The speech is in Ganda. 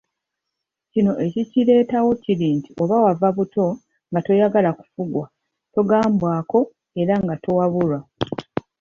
Kino ekikireetawo kiri nti oba wava buto nga toyagala kufugwa, togambwako era towabulwa.